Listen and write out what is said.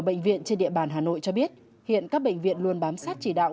bệnh viện trên địa bàn hà nội cho biết hiện các bệnh viện luôn bám sát chỉ đạo